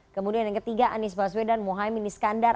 kemudian yang ketiga anies baswedan dan muaymini skandar